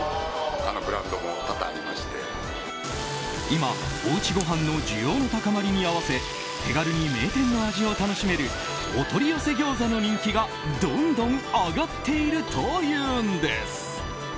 今、おうちごはんの需要の高まりに合わせ手軽に名店の味を楽しめるお取り寄せギョーザの人気がどんどん上がっているというんです。